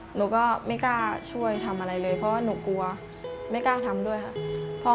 หนูก็ไม่กล้าช่วยทำอะไรเลยเพราะว่าหนูกลัวไม่กล้าทำด้วยค่ะ